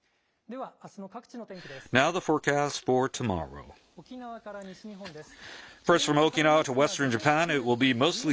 では、あすの各地の天気です。